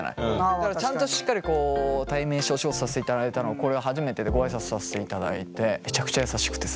だからちゃんとしっかりこう対面してお仕事させていただいたのこれが初めてでご挨拶させていただいてめちゃくちゃ優しくてさ。